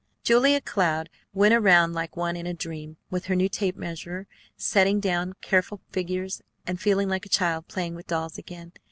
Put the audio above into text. Julia Cloud went around like one in a dream with her new tape measure, setting down careful figures, and feeling like a child playing dolls again.